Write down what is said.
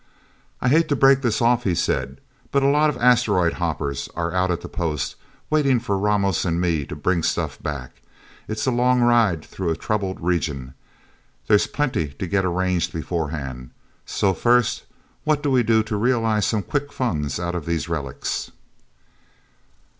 "I hate to break this off," he said. "But a lot of asteroid hoppers are out at the post, waiting for Ramos and me to bring stuff back. It's a long ride through a troubled region. There's plenty to get arranged beforehand... So first, what do we do to realize some quick funds out of these relics?"